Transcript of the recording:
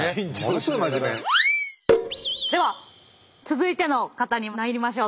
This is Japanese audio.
では続いての方に参りましょう。